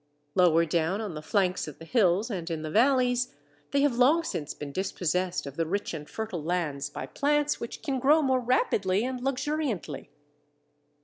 Lower down on the flanks of the hills and in the valleys, they have long since been dispossessed of the rich and fertile lands by plants which can grow more rapidly and luxuriantly.